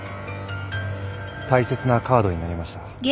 大切なカードになりました